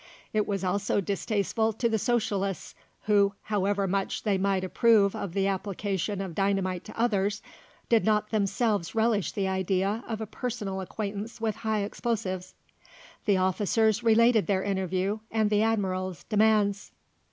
It was also distasteful to the Socialists who, however much they might approve of the application of dynamite to others, did not themselves relish the idea of a personal acquaintance with high explosives. The officers related their interview and the Admiral's demands.